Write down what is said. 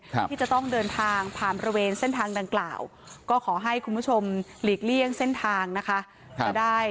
ที่จะต้องเดินทางผ่านบริเวณเส้นทางดังกล่าวก็ขอให้คุณผู้ชมหลีกเลี่ยงเส้นทางนะคะ